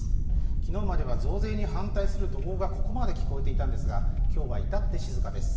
昨日までは増税に反対する怒号がここまで聞こえていたんですが今日は至って静かです。